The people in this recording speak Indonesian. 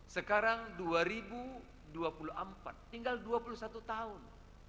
sekarang dua ribu dua puluh empat tinggal dua puluh satu tahun